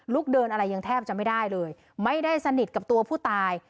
เดินอะไรยังแทบจะไม่ได้เลยไม่ได้สนิทกับตัวผู้ตาย